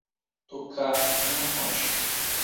Tocar uma rocha